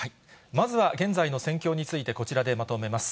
まずは現在の戦況についてこちらでまとめます。